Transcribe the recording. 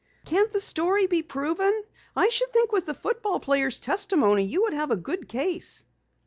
"Can't the story be proven? I should think with the football player's testimony you would have a good case."